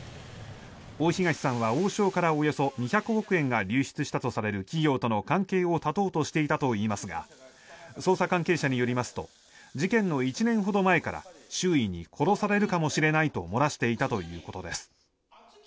大東さんは王将からおよそ２００億円が流出したとされる企業との関係を断とうとしていたといいますが捜査関係者によりますと事件の１年ほど前から周囲に殺されるかもしれないと漏らしていたということです。